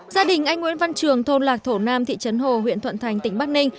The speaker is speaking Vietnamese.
gia đình anh nguyễn văn trường thôn lạc thổ nam thị trấn hồ huyện thuận thành tỉnh bắc ninh